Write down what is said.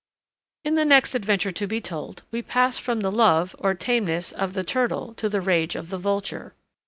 In the next adventure to be told we pass from the love (or tameness) of the turtle to the rage of the vulture.